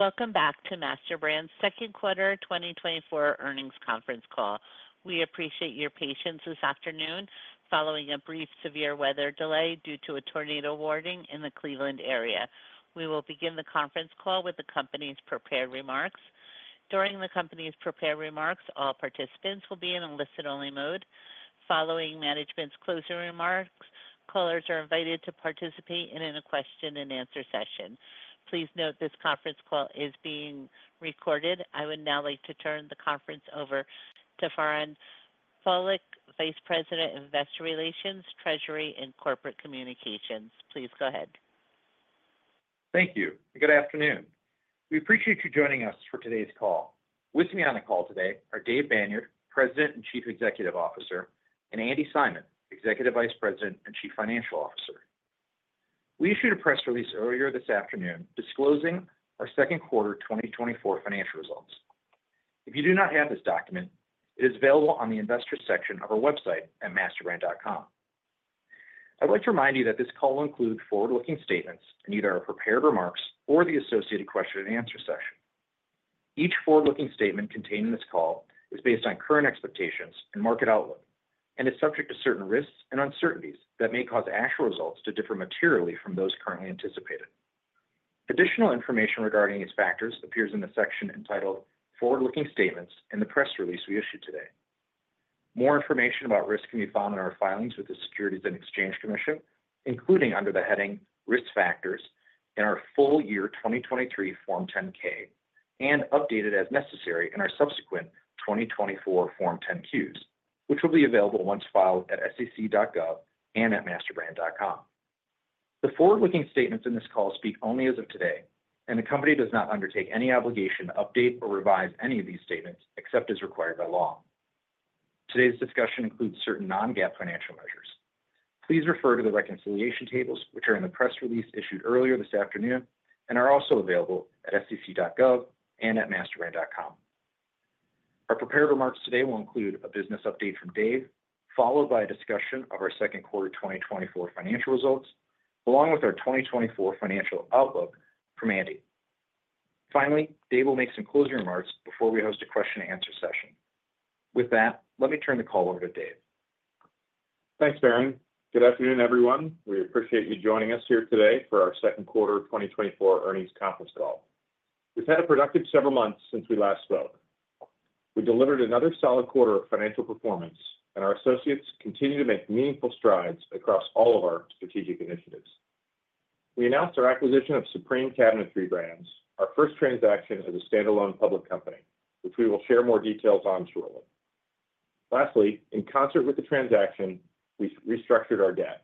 Welcome back to MasterBrand's second quarter 2024 earnings conference call. We appreciate your patience this afternoon following a brief severe weather delay due to a tornado warning in the Cleveland area. We will begin the conference call with the company's prepared remarks. During the company's prepared remarks, all participants will be in a listen-only mode. Following management's closing remarks, callers are invited to participate in a question-and-answer session. Please note this conference call is being recorded. I would now like to turn the conference over to Farand Pawlak, Vice President of Investor Relations, Treasury, and Corporate Communications. Please go ahead. Thank you, and good afternoon. We appreciate you joining us for today's call. With me on the call today are Dave Banyard, President and Chief Executive Officer, and Andi Simon, Executive Vice President and Chief Financial Officer. We issued a press release earlier this afternoon disclosing our second quarter 2024 financial results. If you do not have this document, it is available on the Investors section of our website at masterbrand.com. I'd like to remind you that this call will include forward-looking statements in either our prepared remarks or the associated question-and-answer session. Each forward-looking statement contained in this call is based on current expectations and market outlook, and is subject to certain risks and uncertainties that may cause actual results to differ materially from those currently anticipated. Additional information regarding these factors appears in the section entitled "Forward-Looking Statements" in the press release we issued today. More information about risks can be found in our filings with the Securities and Exchange Commission, including under the heading "Risk Factors" in our full year 2023 Form 10-K, and updated as necessary in our subsequent 2024 Form 10-Qs, which will be available once filed at sec.gov and at masterbrand.com. The forward-looking statements in this call speak only as of today, and the Company does not undertake any obligation to update or revise any of these statements except as required by law. Today's discussion includes certain non-GAAP financial measures. Please refer to the reconciliation tables, which are in the press release issued earlier this afternoon and are also available at sec.gov and at masterbrand.com. Our prepared remarks today will include a business update from Dave, followed by a discussion of our second quarter 2024 financial results, along with our 2024 financial outlook from Andi. Finally, Dave will make some closing remarks before we host a question-and-answer session. With that, let me turn the call over to Dave. Thanks, Farand. Good afternoon, everyone. We appreciate you joining us here today for our second quarter 2024 earnings conference call. We've had a productive several months since we last spoke. We delivered another solid quarter of financial performance, and our associates continue to make meaningful strides across all of our strategic initiatives. We announced our acquisition of Supreme Cabinetry Brands, our first transaction as a standalone public company, which we will share more details on shortly. Lastly, in concert with the transaction, we restructured our debt.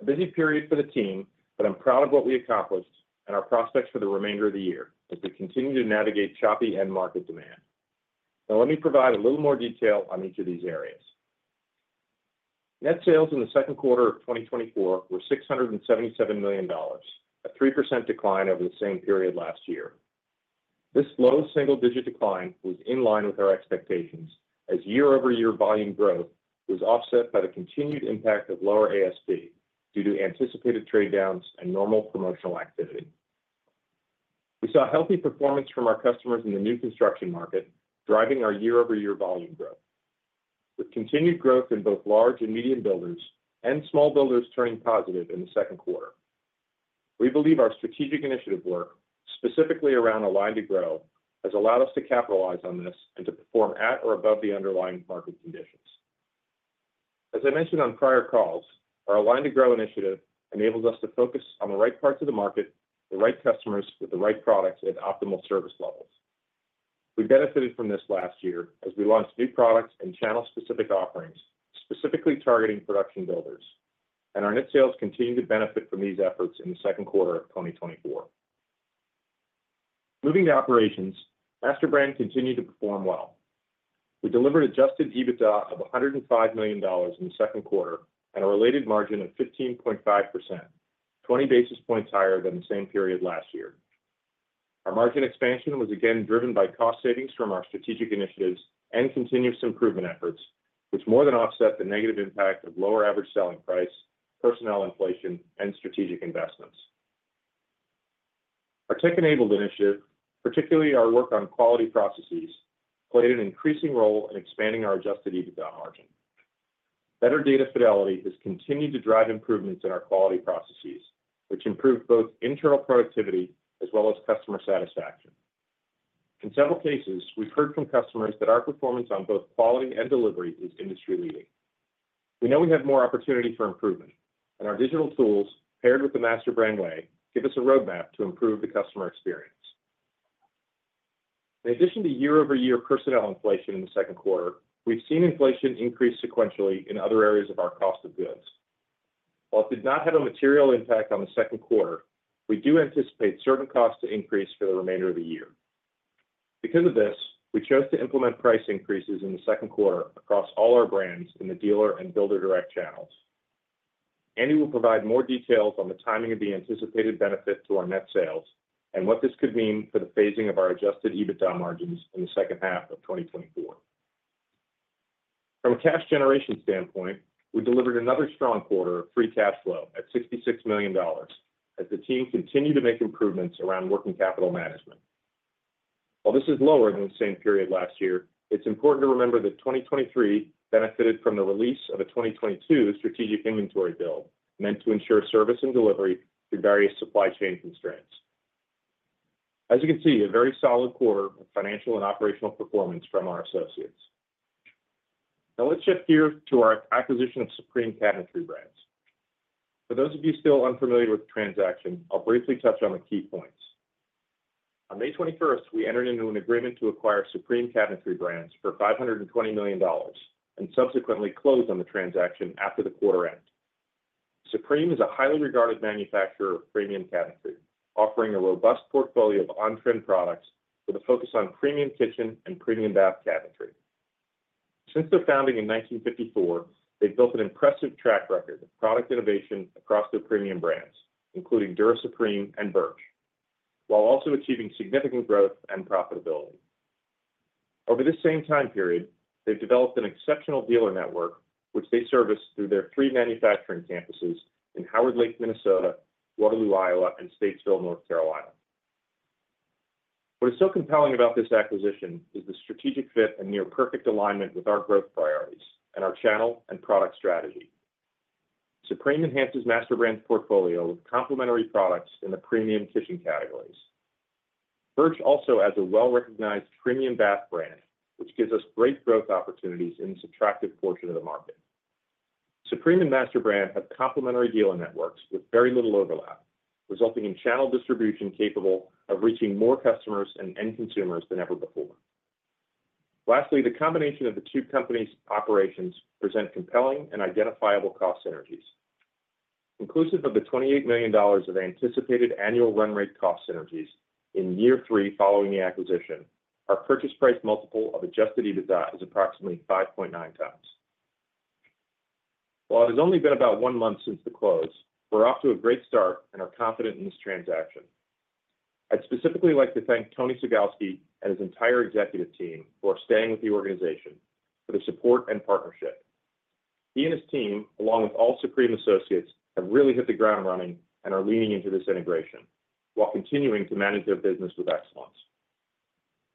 A busy period for the team, but I'm proud of what we accomplished and our prospects for the remainder of the year as we continue to navigate choppy end market demand. Now, let me provide a little more detail on each of these areas. Net sales in the second quarter of 2024 were $677 million, a 3% decline over the same period last year. This low single-digit decline was in line with our expectations, as year-over-year volume growth was offset by the continued impact of lower ASP due to anticipated trade downs and normal promotional activity. We saw healthy performance from our customers in the new construction market, driving our year-over-year volume growth. With continued growth in both large and medium builders, and small builders turning positive in the second quarter. We believe our strategic initiative work, specifically around Align to Grow, has allowed us to capitalize on this and to perform at or above the underlying market conditions. As I mentioned on prior calls, our Align to Grow initiative enables us to focus on the right parts of the market, the right customers, with the right products at optimal service levels. We benefited from this last year as we launched new products and channel-specific offerings, specifically targeting production builders, and our net sales continued to benefit from these efforts in the second quarter of 2024. Moving to operations, MasterBrand continued to perform well. We delivered Adjusted EBITDA of $105 million in the second quarter and a related margin of 15.5%, 20 basis points higher than the same period last year. Our margin expansion was again driven by cost savings from our strategic initiatives and continuous improvement efforts, which more than offset the negative impact of lower average selling price, personnel inflation, and strategic investments. Our Tech-Enabled Initiative, particularly our work on quality processes, played an increasing role in expanding our Adjusted EBITDA margin. Better data fidelity has continued to drive improvements in our quality processes, which improve both internal productivity as well as customer satisfaction. In several cases, we've heard from customers that our performance on both quality and delivery is industry-leading. We know we have more opportunity for improvement, and our digital tools, paired with the MasterBrand Way, give us a roadmap to improve the customer experience. In addition to year-over-year personnel inflation in the second quarter, we've seen inflation increase sequentially in other areas of our cost of goods. While it did not have a material impact on the second quarter, we do anticipate certain costs to increase for the remainder of the year. Because of this, we chose to implement price increases in the second quarter across all our brands in the dealer and builder-direct channels. Andi will provide more details on the timing of the anticipated benefit to our net sales and what this could mean for the phasing of our Adjusted EBITDA margins in the second half of 2024. From a cash generation standpoint, we delivered another strong quarter of free cash flow at $66 million, as the team continued to make improvements around working capital management. While this is lower than the same period last year, it's important to remember that 2023 benefited from the release of a 2022 strategic inventory build, meant to ensure service and delivery through various supply chain constraints. As you can see, a very solid quarter of financial and operational performance from our associates. Now, let's shift gears to our acquisition of Supreme Cabinetry Brands. For those of you still unfamiliar with the transaction, I'll briefly touch on the key points. On May twenty-first, we entered into an agreement to acquire Supreme Cabinetry Brands for $520 million, and subsequently closed on the transaction after the quarter end. Supreme is a highly regarded manufacturer of premium cabinetry, offering a robust portfolio of on-trend products with a focus on premium kitchen and premium bath cabinetry. Since their founding in 1954, they've built an impressive track record of product innovation across their premium brands, including Dura Supreme and Bertch, while also achieving significant growth and profitability. Over this same time period, they've developed an exceptional dealer network, which they service through their three manufacturing campuses in Howard Lake, Minnesota, Waterloo, Iowa, and Statesville, North Carolina. What is so compelling about this acquisition is the strategic fit and near perfect alignment with our growth priorities and our channel and product strategy. Supreme enhances MasterBrand's portfolio of complementary products in the premium kitchen categories. Bertch also adds a well-recognized premium bath brand, which gives us great growth opportunities in this attractive portion of the market. Supreme and MasterBrand have complementary dealer networks with very little overlap, resulting in channel distribution capable of reaching more customers and end consumers than ever before. Lastly, the combination of the two companies' operations present compelling and identifiable cost synergies. Inclusive of the $28 million of anticipated annual run rate cost synergies in year three following the acquisition, our purchase price multiple of Adjusted EBITDA is approximately 5.9x. While it has only been about one month since the close, we're off to a great start and are confident in this transaction. I'd specifically like to thank Tony Sugalski and his entire executive team, who are staying with the organization, for their support and partnership. He and his team, along with all Supreme associates, have really hit the ground running and are leaning into this integration, while continuing to manage their business with excellence.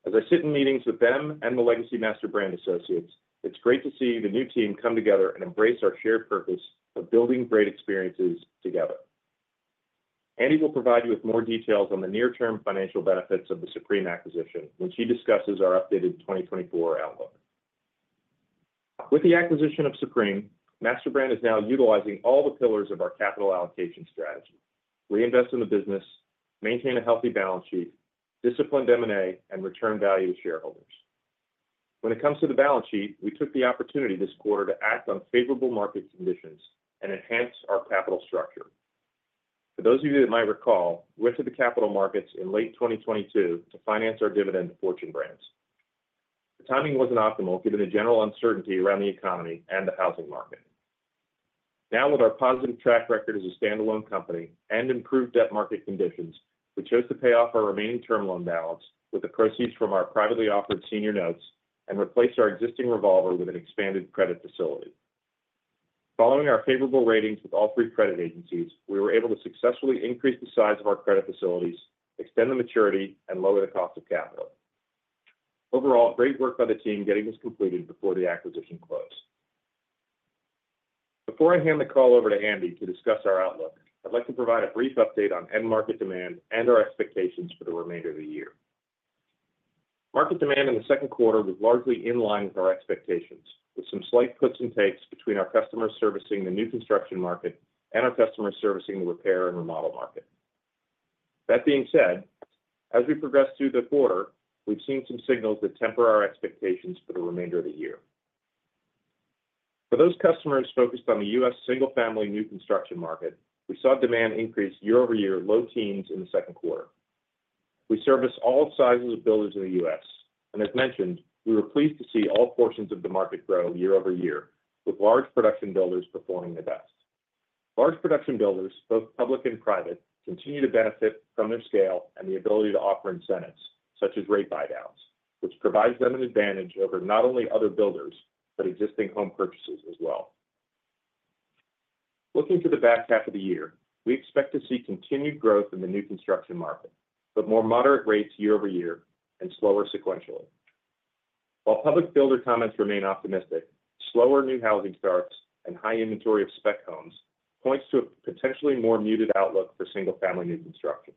As I sit in meetings with them and the legacy MasterBrand associates, it's great to see the new team come together and embrace our shared purpose of building great experiences together. Andi will provide you with more details on the near-term financial benefits of the Supreme acquisition when she discusses our updated 2024 outlook. With the acquisition of Supreme, MasterBrand is now utilizing all the pillars of our capital allocation strategy: reinvest in the business, maintain a healthy balance sheet, disciplined M&A, and return value to shareholders. When it comes to the balance sheet, we took the opportunity this quarter to act on favorable market conditions and enhance our capital structure. For those of you that might recall, we went to the capital markets in late 2022 to finance our dividend to Fortune Brands. The timing wasn't optimal, given the general uncertainty around the economy and the housing market. Now, with our positive track record as a standalone company and improved debt market conditions, we chose to pay off our remaining term loan balance with the proceeds from our privately offered senior notes and replace our existing revolver with an expanded credit facility. Following our favorable ratings with all three credit agencies, we were able to successfully increase the size of our credit facilities, extend the maturity, and lower the cost of capital. Overall, great work by the team getting this completed before the acquisition closed. Before I hand the call over to Andi to discuss our outlook, I'd like to provide a brief update on end market demand and our expectations for the remainder of the year. Market demand in the second quarter was largely in line with our expectations, with some slight puts and takes between our customers servicing the new construction market and our customers servicing the repair and remodel market. That being said, as we progress through the quarter, we've seen some signals that temper our expectations for the remainder of the year. For those customers focused on the U.S. single-family new construction market, we saw demand increase year-over-year, low teens in the second quarter. We service all sizes of builders in the U.S., and as mentioned, we were pleased to see all portions of the market grow year-over-year, with large production builders performing the best. Large production builders, both public and private, continue to benefit from their scale and the ability to offer incentives, such as rate buydowns, which provides them an advantage over not only other builders, but existing home purchasers as well. Looking to the back half of the year, we expect to see continued growth in the new construction market, but more moderate rates year-over-year and slower sequentially. While public builder comments remain optimistic, slower new housing starts and high inventory of spec homes points to a potentially more muted outlook for single-family new construction.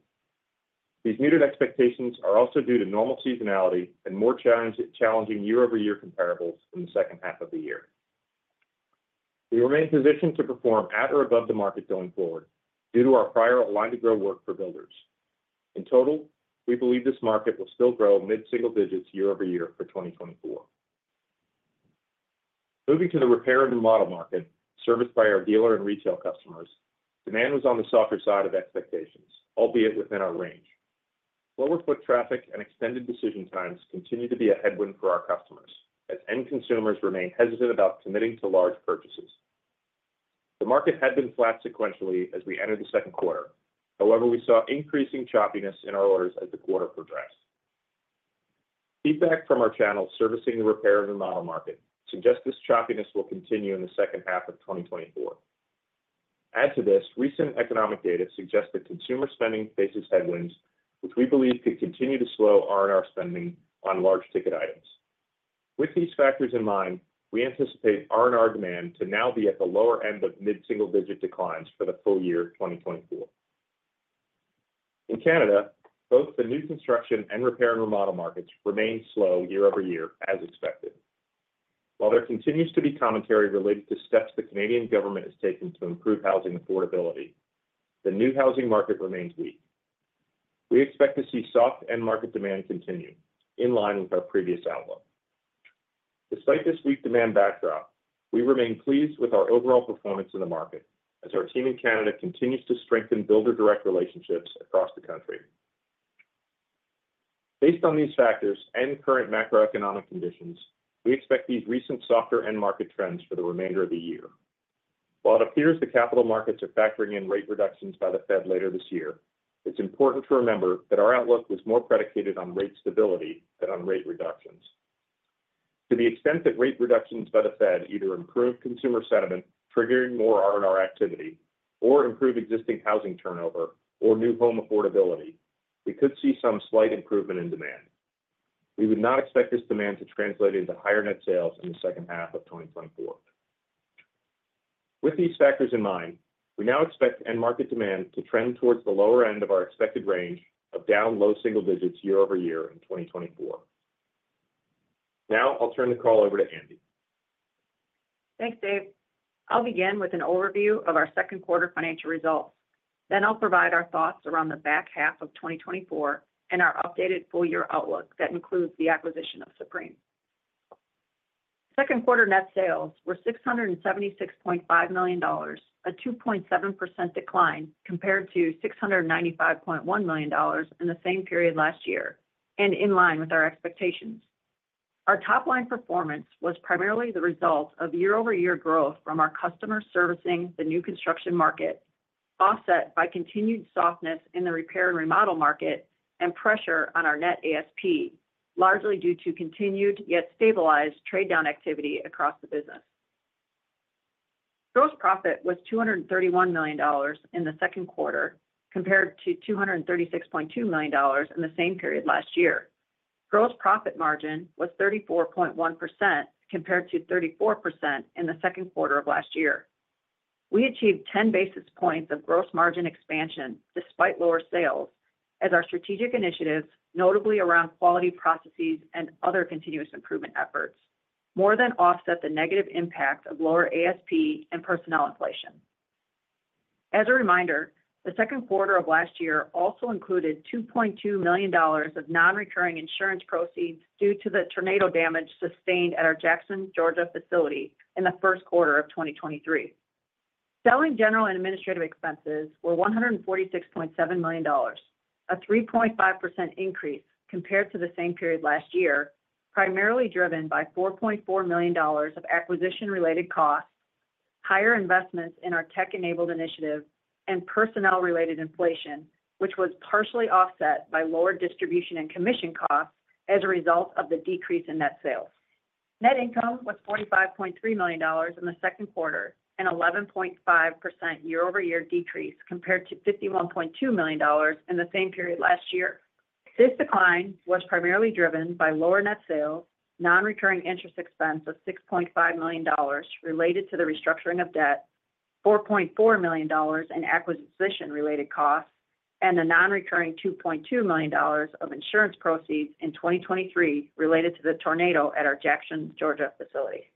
These muted expectations are also due to normal seasonality and more challenging year-over-year comparables in the second half of the year. We remain positioned to perform at or above the market going forward due to our prior Align to Grow work for builders. In total, we believe this market will still grow mid-single digits year-over-year for 2024. Moving to the Repair and Remodel market, serviced by our dealer and retail customers, demand was on the softer side of expectations, albeit within our range. Slower foot traffic and extended decision times continue to be a headwind for our customers, as end consumers remain hesitant about committing to large purchases... The market had been flat sequentially as we entered the second quarter. However, we saw increasing choppiness in our orders as the quarter progressed. Feedback from our channels servicing the repair and remodel market suggest this choppiness will continue in the second half of 2024. Add to this, recent economic data suggests that consumer spending faces headwinds, which we believe could continue to slow R&R spending on large ticket items. With these factors in mind, we anticipate R&R demand to now be at the lower end of mid-single-digit declines for the full year 2024. In Canada, both the new construction and repair and remodel markets remain slow year-over-year, as expected. While there continues to be commentary related to steps the Canadian government has taken to improve housing affordability, the new housing market remains weak. We expect to see soft end market demand continue in line with our previous outlook. Despite this weak demand backdrop, we remain pleased with our overall performance in the market as our team in Canada continues to strengthen builder direct relationships across the country. Based on these factors and current macroeconomic conditions, we expect these recent softer end market trends for the remainder of the year. While it appears the capital markets are factoring in rate reductions by the Fed later this year, it's important to remember that our outlook was more predicated on rate stability than on rate reductions. To the extent that rate reductions by the Fed either improve consumer sentiment, triggering more R&R activity, or improve existing housing turnover or new home affordability, we could see some slight improvement in demand. We would not expect this demand to translate into higher net sales in the second half of 2024. With these factors in mind, we now expect end market demand to trend towards the lower end of our expected range of down low single digits year-over-year in 2024. Now I'll turn the call over to Andi. Thanks, Dave. I'll begin with an overview of our second quarter financial results. Then I'll provide our thoughts around the back half of 2024 and our updated full year outlook that includes the acquisition of Supreme. Second quarter net sales were $676.5 million, a 2.7% decline compared to $695.1 million in the same period last year, and in line with our expectations. Our top line performance was primarily the result of year-over-year growth from our customer servicing the new construction market, offset by continued softness in the repair and remodel market and pressure on our net ASP, largely due to continued yet stabilized trade down activity across the business. Gross profit was $231 million in the second quarter, compared to $236.2 million in the same period last year. Gross profit margin was 34.1%, compared to 34% in the second quarter of last year. We achieved 10 basis points of gross margin expansion despite lower sales, as our strategic initiatives, notably around quality processes and other continuous improvement efforts, more than offset the negative impact of lower ASP and personnel inflation. As a reminder, the second quarter of last year also included $2.2 million of non-recurring insurance proceeds due to the tornado damage sustained at our Jackson, Georgia facility in the first quarter of 2023. Selling, general, and administrative expenses were $146.7 million, a 3.5% increase compared to the same period last year, primarily driven by $4.4 million of acquisition-related costs, higher investments in our Tech-Enabled Initiative, and personnel-related inflation, which was partially offset by lower distribution and commission costs as a result of the decrease in net sales. Net income was $45.3 million in the second quarter, an 11.5% year-over-year decrease compared to $51.2 million in the same period last year. This decline was primarily driven by lower net sales, non-recurring interest expense of $6.5 million related to the restructuring of debt, $4.4 million in acquisition-related costs, and the non-recurring $2.2 million of insurance proceeds in 2023 related to the tornado at our Jackson, Georgia facility.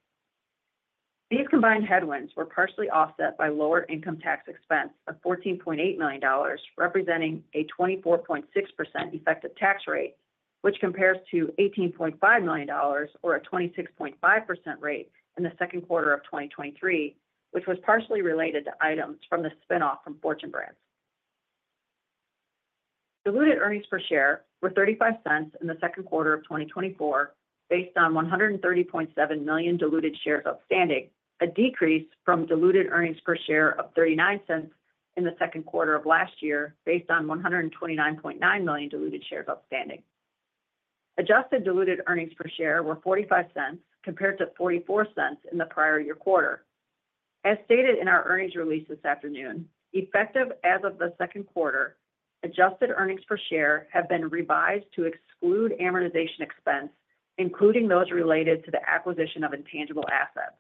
These combined headwinds were partially offset by lower income tax expense of $14.8 million, representing a 24.6% effective tax rate, which compares to $18.5 million, or a 26.5% rate in the second quarter of 2023, which was partially related to items from the spin-off from Fortune Brands. Diluted earnings per share were $0.35 in the second quarter of 2024, based on 130.7 million diluted shares outstanding, a decrease from diluted earnings per share of $0.39 in the second quarter of last year, based on 129.9 million diluted shares outstanding. Adjusted diluted earnings per share were $0.45, compared to $0.44 in the prior year quarter. As stated in our earnings release this afternoon, effective as of the second quarter, Adjusted earnings per share have been revised to exclude amortization expense, including those related to the acquisition of intangible assets.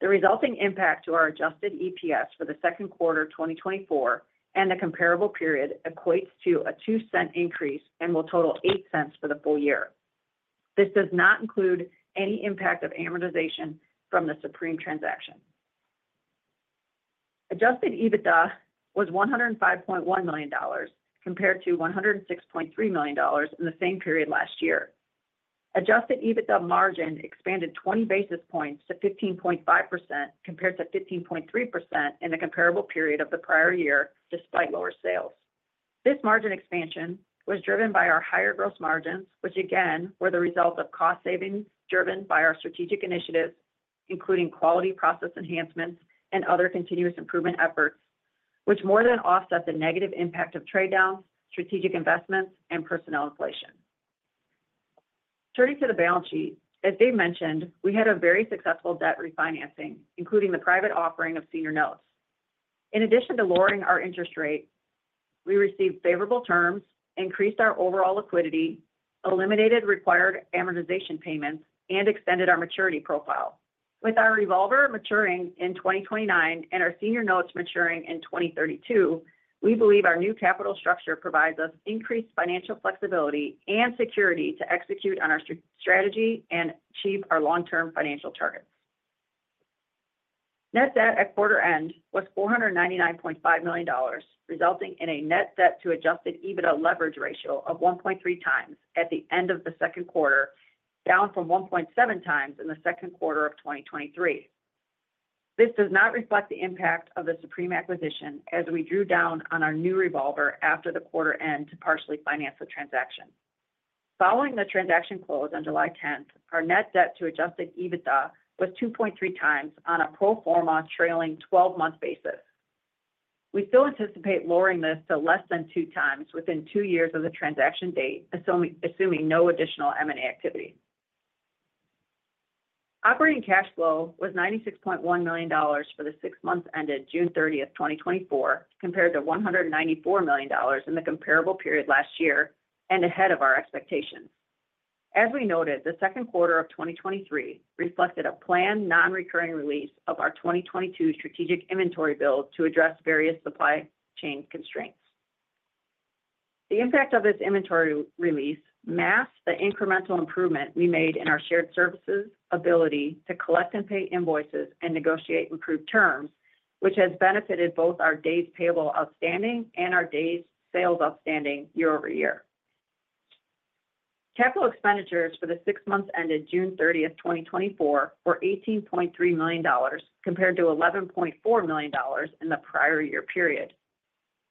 The resulting impact to our Adjusted EPS for the second quarter of 2024 and the comparable period equates to a $0.02 increase and will total $0.08 for the full year. This does not include any impact of amortization from the Supreme transaction. Adjusted EBITDA was $105.1 million, compared to $106.3 million in the same period last year. Adjusted EBITDA margin expanded 20 basis points to 15.5%, compared to 15.3% in the comparable period of the prior year, despite lower sales. This margin expansion was driven by our higher gross margins, which again, were the result of cost savings driven by our strategic initiatives, including quality process enhancements and other continuous improvement efforts, which more than offset the negative impact of trade downs, strategic investments, and personnel inflation. Turning to the balance sheet, as Dave mentioned, we had a very successful debt refinancing, including the private offering of senior notes. In addition to lowering our interest rate, we received favorable terms, increased our overall liquidity, eliminated required amortization payments, and extended our maturity profile. With our revolver maturing in 2029 and our senior notes maturing in 2032, we believe our new capital structure provides us increased financial flexibility and security to execute on our strategy and achieve our long-term financial targets. Net debt at quarter end was $499.5 million, resulting in a net debt to adjusted EBITDA leverage ratio of 1.3 times at the end of the second quarter, down from 1.7 times in the second quarter of 2023. This does not reflect the impact of the Supreme acquisition, as we drew down on our new revolver after the quarter end to partially finance the transaction. Following the transaction close on July tenth, our net debt to Adjusted EBITDA was 2.3 times on a pro forma trailing twelve-month basis. We still anticipate lowering this to less than 2 times within 2 years of the transaction date, assuming no additional M&A activity. Operating cash flow was $96.1 million for the six months ended June thirtieth, 2024, compared to $194 million in the comparable period last year and ahead of our expectations. As we noted, the second quarter of 2023 reflected a planned, non-recurring release of our 2022 strategic inventory build to address various supply chain constraints. The impact of this inventory release masked the incremental improvement we made in our shared services ability to collect and pay invoices and negotiate improved terms, which has benefited both our days payable outstanding and our days sales outstanding year over year. Capital expenditures for the six months ended June 30, 2024, were $18.3 million, compared to $11.4 million in the prior year period.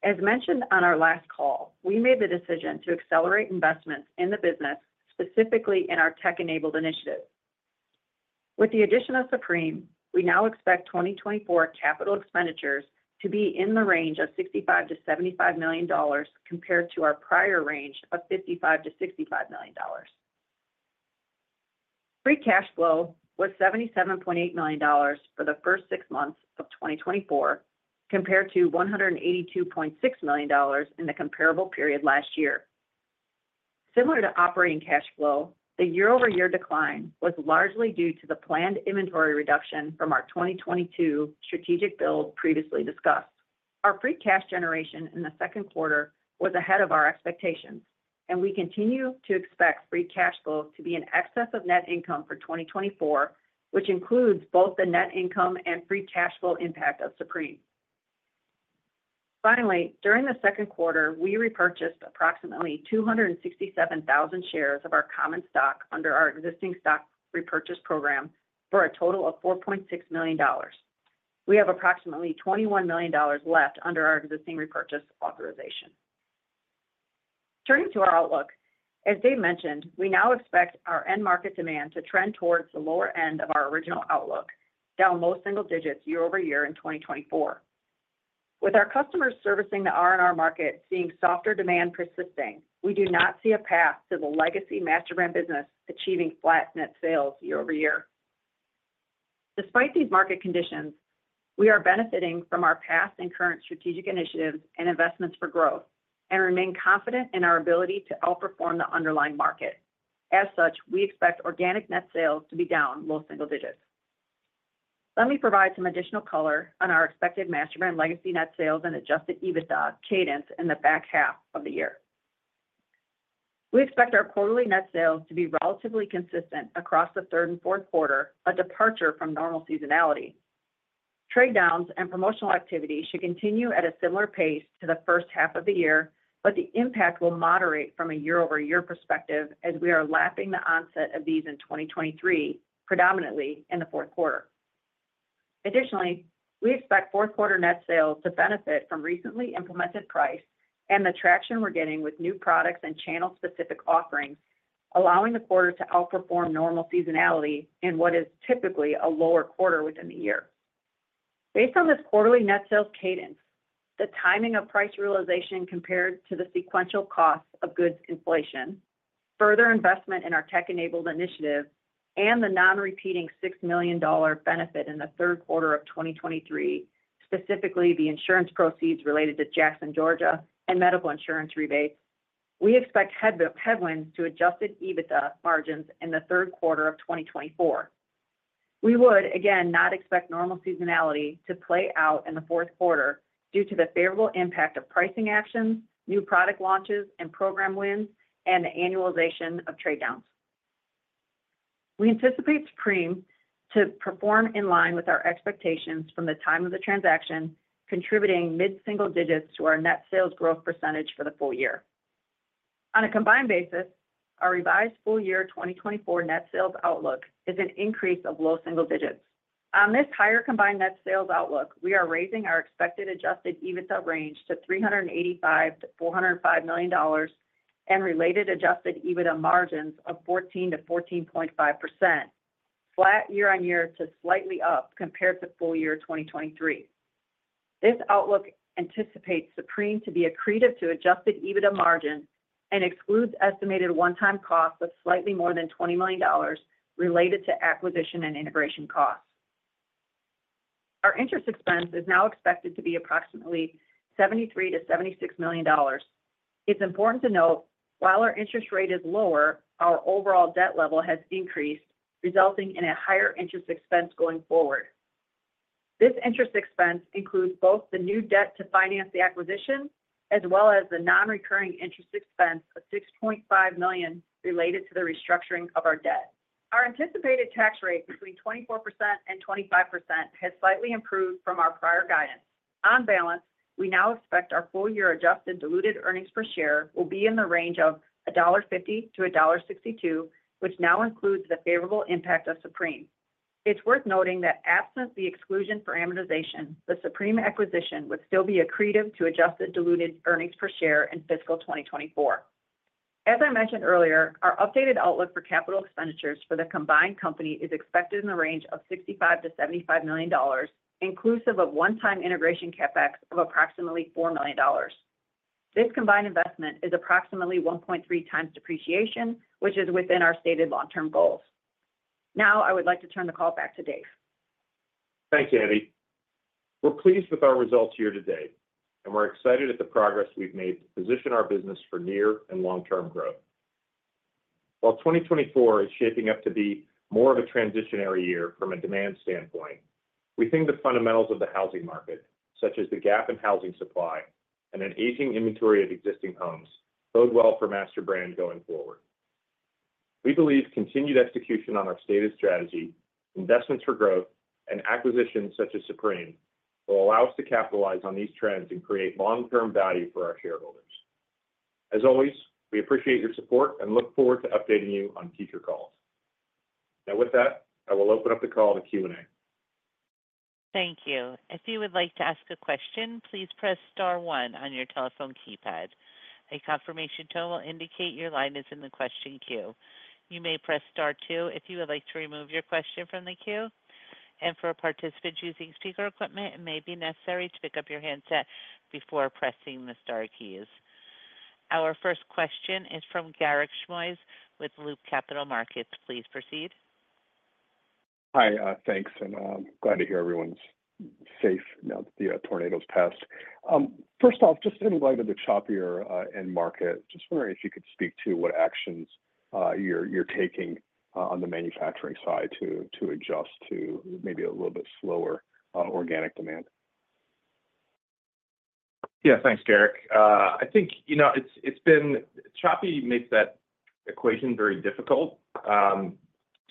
As mentioned on our last call, we made the decision to accelerate investments in the business, specifically in our tech-enabled initiatives. With the addition of Supreme, we now expect 2024 capital expenditures to be in the range of $65 million-$75 million, compared to our prior range of $55 million-$65 million. Free cash flow was $77.8 million for the first six months of 2024, compared to $182.6 million in the comparable period last year. Similar to operating cash flow, the year-over-year decline was largely due to the planned inventory reduction from our 2022 strategic build previously discussed. Our free cash generation in the second quarter was ahead of our expectations, and we continue to expect free cash flow to be in excess of net income for 2024, which includes both the net income and free cash flow impact of Supreme. Finally, during the second quarter, we repurchased approximately 267,000 shares of our common stock under our existing stock repurchase program, for a total of $4.6 million. We have approximately $21 million left under our existing repurchase authorization. Turning to our outlook, as Dave mentioned, we now expect our end market demand to trend towards the lower end of our original outlook, down low single digits year-over-year in 2024. With our customers servicing the R&R market seeing softer demand persisting, we do not see a path to the legacy MasterBrand business achieving flat net sales year-over-year. Despite these market conditions, we are benefiting from our past and current strategic initiatives and investments for growth, and remain confident in our ability to outperform the underlying market. As such, we expect organic net sales to be down low single digits. Let me provide some additional color on our expected MasterBrand legacy net sales and Adjusted EBITDA cadence in the back half of the year. We expect our quarterly net sales to be relatively consistent across the third and fourth quarter, a departure from normal seasonality. Trade downs and promotional activity should continue at a similar pace to the first half of the year, but the impact will moderate from a year-over-year perspective as we are lapping the onset of these in 2023, predominantly in the fourth quarter. Additionally, we expect fourth quarter net sales to benefit from recently implemented price and the traction we're getting with new products and channel-specific offerings, allowing the quarter to outperform normal seasonality in what is typically a lower quarter within the year. Based on this quarterly net sales cadence, the timing of price realization compared to the sequential cost of goods inflation, further investment in our tech-enabled initiative, and the non-repeating $6 million benefit in the third quarter of 2023, specifically the insurance proceeds related to Jackson, Georgia, and medical insurance rebates, we expect headwinds to adjusted EBITDA margins in the third quarter of 2024. We would, again, not expect normal seasonality to play out in the fourth quarter due to the favorable impact of pricing actions, new product launches and program wins, and the annualization of trade downs. We anticipate Supreme to perform in line with our expectations from the time of the transaction, contributing mid-single digits to our net sales growth percentage for the full year.... On a combined basis, our revised full year 2024 net sales outlook is an increase of low single digits. On this higher combined net sales outlook, we are raising our expected Adjusted EBITDA range to $385 million-$405 million, and related Adjusted EBITDA margins of 14%-14.5%, flat year-on-year to slightly up compared to full year 2023. This outlook anticipates Supreme to be accretive to Adjusted EBITDA margin and excludes estimated one-time costs of slightly more than $20 million related to acquisition and integration costs. Our interest expense is now expected to be approximately $73 million-$76 million. It's important to note, while our interest rate is lower, our overall debt level has increased, resulting in a higher interest expense going forward. This interest expense includes both the new debt to finance the acquisition, as well as the non-recurring interest expense of $6.5 million related to the restructuring of our debt. Our anticipated tax rate between 24% and 25% has slightly improved from our prior guidance. On balance, we now expect our full year adjusted diluted earnings per share will be in the range of $1.50-$1.62, which now includes the favorable impact of Supreme. It's worth noting that absent the exclusion for amortization, the Supreme acquisition would still be accretive to adjusted diluted earnings per share in fiscal 2024. As I mentioned earlier, our updated outlook for capital expenditures for the combined company is expected in the range of $65 million-$75 million, inclusive of one-time integration CapEx of approximately $4 million. This combined investment is approximately 1.3 times depreciation, which is within our stated long-term goals. Now, I would like to turn the call back to Dave. Thanks, Andi. We're pleased with our results here today, and we're excited at the progress we've made to position our business for near and long-term growth. While 2024 is shaping up to be more of a transitionary year from a demand standpoint, we think the fundamentals of the housing market, such as the gap in housing supply and an aging inventory of existing homes, bode well for MasterBrand going forward. We believe continued execution on our stated strategy, investments for growth, and acquisitions such as Supreme, will allow us to capitalize on these trends and create long-term value for our shareholders. As always, we appreciate your support and look forward to updating you on future calls. Now, with that, I will open up the call to Q&A. Thank you. If you would like to ask a question, please press star one on your telephone keypad. A confirmation tone will indicate your line is in the question queue. You may press Star two if you would like to remove your question from the queue, and for participants using speaker equipment, it may be necessary to pick up your handset before pressing the star keys. Our first question is from Garik Shmois with Loop Capital Markets. Please proceed. Hi, thanks, and glad to hear everyone's safe now that the tornado's passed. First off, just in light of the choppier end market, just wondering if you could speak to what actions you're taking on the manufacturing side to adjust to maybe a little bit slower organic demand. Yeah, thanks, Garik. I think, you know, it's been choppy. Choppy makes that equation very difficult.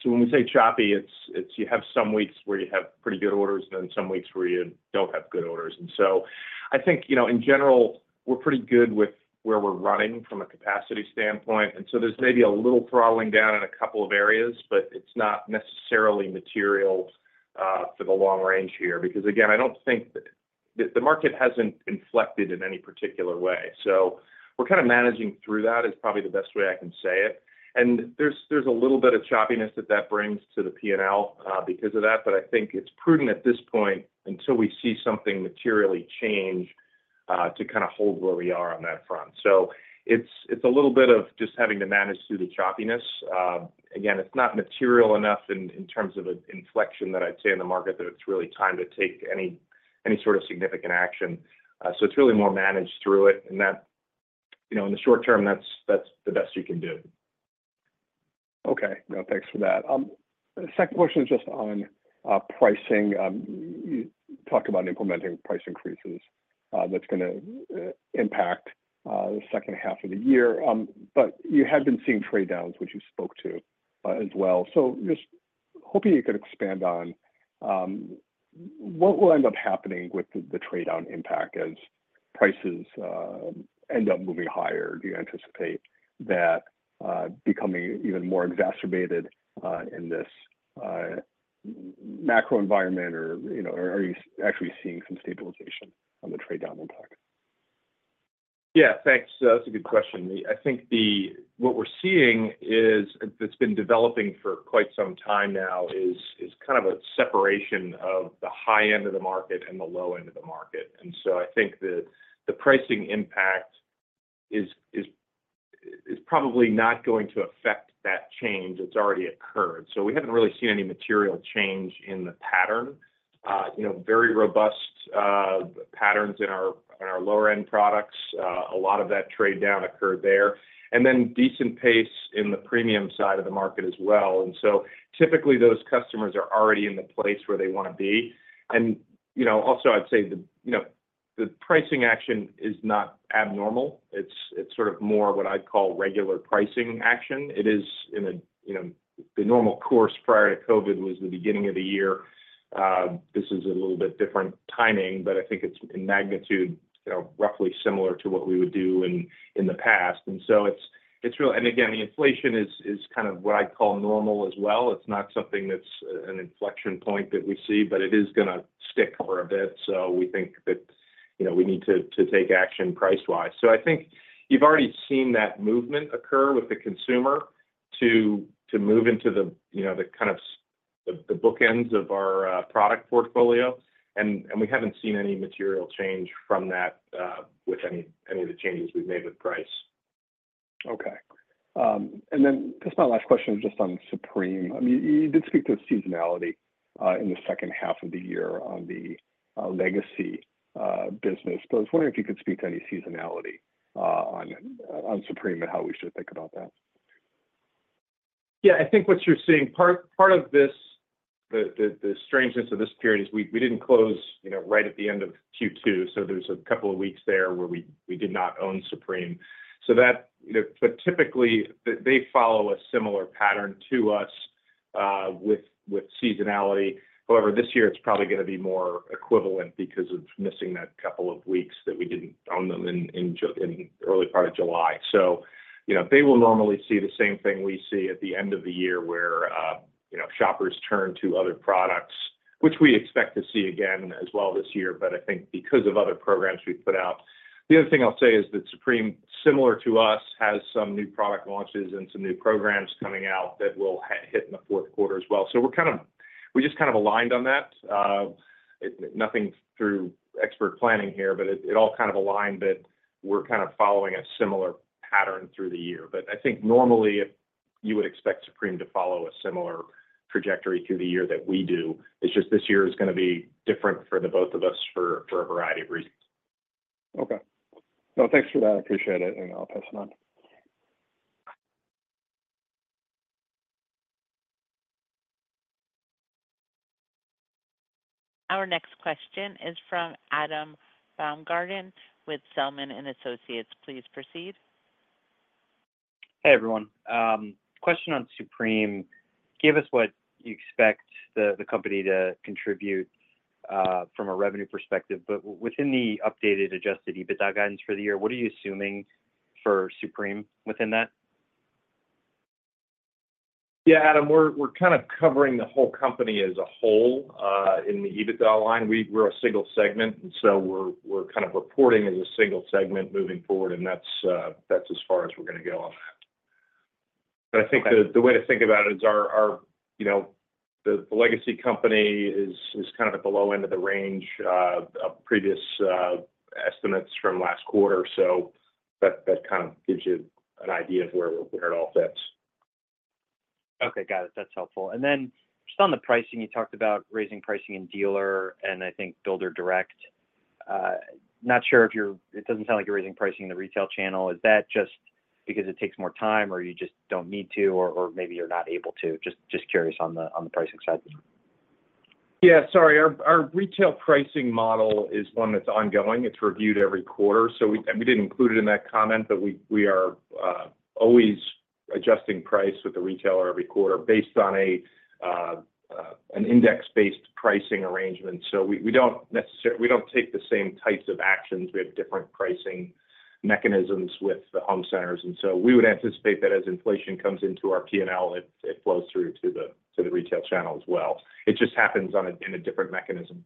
So when we say choppy, it's you have some weeks where you have pretty good orders and then some weeks where you don't have good orders. And so I think, you know, in general, we're pretty good with where we're running from a capacity standpoint, and so there's maybe a little throttling down in a couple of areas, but it's not necessarily material for the long range here. Because, again, I don't think that the market hasn't inflected in any particular way, so we're kind of managing through that, is probably the best way I can say it. And there's a little bit of choppiness that brings to the P&L, because of that, but I think it's prudent at this point, until we see something materially change, to kind of hold where we are on that front. So it's a little bit of just having to manage through the choppiness. Again, it's not material enough in terms of an inflection that I'd say in the market, that it's really time to take any sort of significant action. So it's really more managed through it, and that, you know, in the short term, that's the best you can do. Okay. No, thanks for that. The second question is just on pricing. You talked about implementing price increases, that's gonna impact the second half of the year. But you have been seeing trade downs, which you spoke to as well. So just hoping you could expand on what will end up happening with the trade down impact as prices end up moving higher? Do you anticipate that becoming even more exacerbated in this macro environment, or, you know, are you actually seeing some stabilization on the trade down impact? Yeah, thanks. That's a good question. I think what we're seeing is it's been developing for quite some time now, kind of a separation of the high end of the market and the low end of the market. And so I think the pricing impact is probably not going to affect that change. It's already occurred. So we haven't really seen any material change in the pattern. You know, very robust patterns in our lower-end products. A lot of that trade down occurred there. And then decent pace in the premium side of the market as well. And so typically, those customers are already in the place where they want to be. And you know, also I'd say you know, the pricing action is not abnormal. It's sort of more what I'd call regular pricing action. It is in a, you know, the normal course prior to COVID was the beginning of the year. This is a little bit different timing, but I think it's in magnitude, you know, roughly similar to what we would do in the past. And so it's real. And again, the inflation is kind of what I'd call normal as well. It's not something that's an inflection point that we see, but it is gonna stick for a bit. So we think that, you know, we need to take action price-wise. So I think you've already seen that movement occur with the consumer to move into the, you know, the kind of the bookends of our product portfolio, and we haven't seen any material change from that with any of the changes we've made with price. Okay. And then just my last question is just on Supreme. I mean, you did speak to seasonality in the second half of the year on the legacy business, but I was wondering if you could speak to any seasonality on Supreme and how we should think about that. Yeah, I think what you're seeing, part of this, the strangeness of this period is we didn't close, you know, right at the end of Q2, so there was a couple of weeks there where we did not own Supreme. So that, you know. But typically, they follow a similar pattern to us with seasonality. However, this year it's probably gonna be more equivalent because of missing that couple of weeks that we didn't own them in early part of July. So, you know, they will normally see the same thing we see at the end of the year, where, you know, shoppers turn to other products, which we expect to see again as well this year, but I think because of other programs we've put out. The other thing I'll say is that Supreme, similar to us, has some new product launches and some new programs coming out that will hit in the fourth quarter as well. So we're kind of we just kind of aligned on that. It, nothing through expert planning here, but it, it all kind of aligned that we're kind of following a similar pattern through the year. But I think normally, if you would expect Supreme to follow a similar trajectory through the year that we do, it's just this year is gonna be different for the both of us for a variety of reasons. Okay. Well, thanks for that. I appreciate it, and I'll pass it on. Our next question is from Adam Baumgarten with Zelman & Associates. Please proceed. Hey, everyone. Question on Supreme: Give us what you expect the, the company to contribute, from a revenue perspective, but within the updated Adjusted EBITDA guidance for the year, what are you assuming for Supreme within that? Yeah, Adam, we're kind of covering the whole company as a whole in the EBITDA line. We're a single segment, and so we're kind of reporting as a single segment moving forward, and that's as far as we're gonna go on that. Okay. I think the way to think about it is our, you know, the legacy company is kind of at the low end of the range of previous estimates from last quarter, so that kind of gives you an idea of where it all fits. Okay, got it. That's helpful. And then just on the pricing, you talked about raising pricing in dealer and I think builder direct. Not sure if you're, it doesn't sound like you're raising pricing in the retail channel. Is that just because it takes more time, or you just don't need to, or, or maybe you're not able to? Just, just curious on the, on the pricing side. Yeah, sorry. Our retail pricing model is one that's ongoing. It's reviewed every quarter. So we didn't include it in that comment, but we are always adjusting price with the retailer every quarter based on an index-based pricing arrangement. So we don't necessarily, we don't take the same types of actions. We have different pricing mechanisms with the home centers, and so we would anticipate that as inflation comes into our P&L, it flows through to the retail channel as well. It just happens in a different mechanism.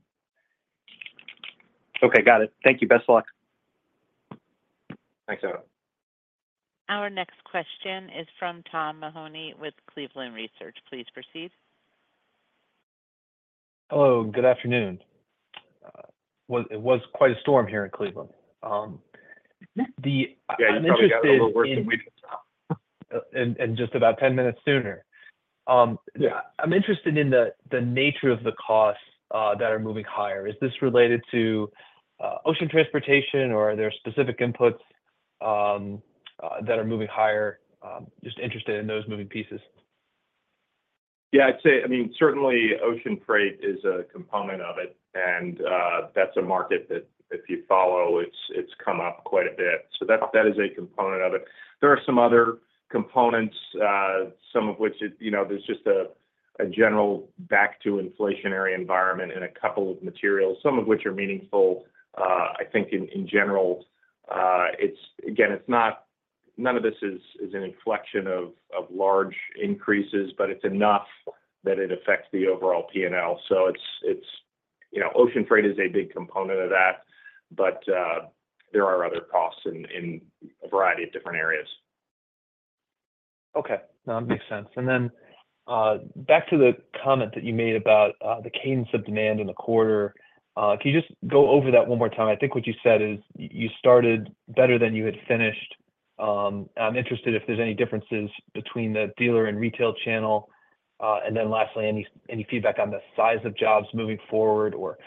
Okay, got it. Thank you. Best of luck. Thanks, Adam. Our next question is from Tom Mahoney with Cleveland Research. Please proceed. Hello, good afternoon. Well, it was quite a storm here in Cleveland. Yeah, you probably got a little worse than we did. just about 10 minutes sooner. Yeah. I'm interested in the nature of the costs that are moving higher. Is this related to ocean transportation, or are there specific inputs that are moving higher? Just interested in those moving pieces. Yeah, I'd say, I mean, certainly ocean freight is a component of it, and that's a market that if you follow, it's come up quite a bit. So that's, that is a component of it. There are some other components, some of which is, you know, there's just a general back to inflationary environment in a couple of materials, some of which are meaningful. I think in general, it's again, it's not none of this is an inflection of large increases, but it's enough that it affects the overall P&L. So it's, you know, ocean freight is a big component of that, but there are other costs in a variety of different areas. Okay. No, it makes sense. And then back to the comment that you made about the cadence of demand in the quarter, can you just go over that one more time? I think what you said is you started better than you had finished. I'm interested if there's any differences between the dealer and retail channel. And then lastly, any feedback on the size of jobs moving forward or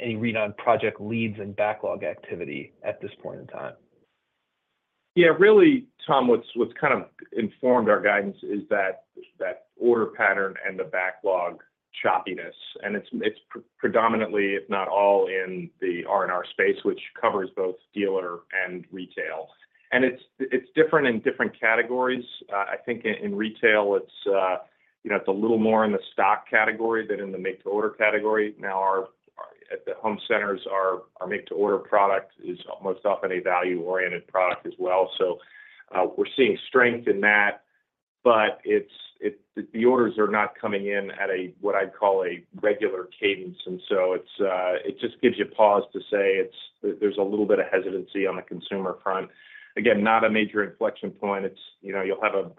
any read on project leads and backlog activity at this point in time? Yeah, really, Tom, what's kind of informed our guidance is that order pattern and the backlog choppiness, and it's predominantly, if not all, in the R&R space, which covers both dealer and retail. And it's different in different categories. I think in retail, it's, you know, it's a little more in the stock category than in the make-to-order category. Now, at the home centers, our make-to-order product is almost often a value-oriented product as well, so we're seeing strength in that, but it, the orders are not coming in at a what I'd call a regular cadence, and so it just gives you pause to say it's, there's a little bit of hesitancy on the consumer front. Again, not a major inflection point. It's, you know, you'll have a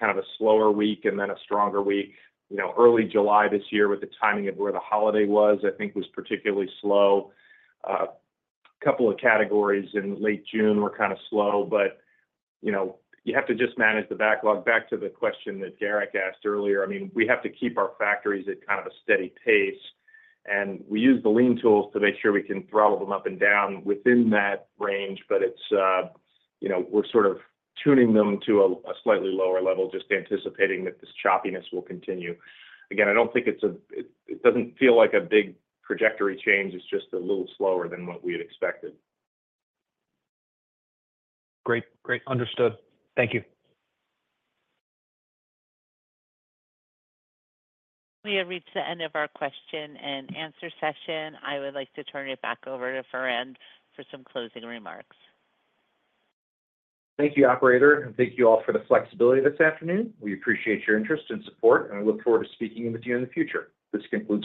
kind of a slower week and then a stronger week. You know, early July this year, with the timing of where the holiday was, I think was particularly slow. A couple of categories in late June were kind of slow, but, you know, you have to just manage the backlog. Back to the question that Garik asked earlier, I mean, we have to keep our factories at kind of a steady pace, and we use the lean tools to make sure we can throttle them up and down within that range, but it's, you know, we're sort of tuning them to a slightly lower level, just anticipating that this choppiness will continue. Again, I don't think it's a—it doesn't feel like a big trajectory change. It's just a little slower than what we had expected. Great. Great, understood. Thank you. We have reached the end of our question-and-answer session. I would like to turn it back over to Farand for some closing remarks. Thank you, operator, and thank you all for the flexibility this afternoon. We appreciate your interest and support, and we look forward to speaking with you in the future. This concludes-